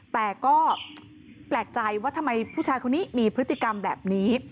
แต่ก็แปลกใจว่าทำไมผู้ชายคนนี้มีพฤติกรรมแบบนี้